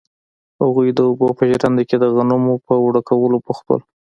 هغوی د اوبو په ژرنده کې د غنمو په اوړه کولو بوخت وو.